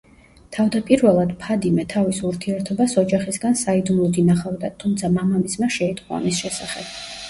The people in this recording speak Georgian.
თავდაპირველად, ფადიმე თავის ურთიერთობას ოჯახისგან საიდუმლოდ ინახავდა, თუმცა, მამამისმა შეიტყო ამის შესახებ.